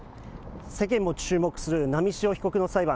世間も注目する波汐被告の裁判。